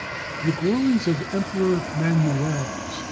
The glories of Emperor Manuel's (ca.